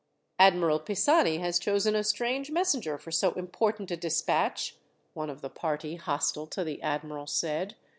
"Admiral Pisani has chosen a strange messenger for so important a despatch," one of the party hostile to the admiral said.